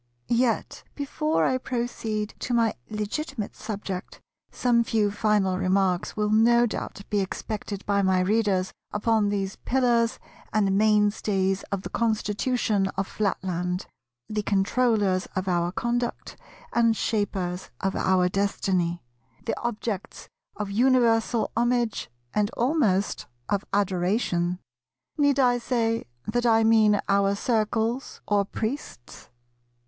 Yet before I proceed to my legitimate subject some few final remarks will no doubt be expected by my Readers upon these pillars and mainstays of the Constitution of Flatland, the controllers of our conduct and shapers of our destiny, the objects of universal homage and almost of adoration: need I say that I mean our Circles or Priests?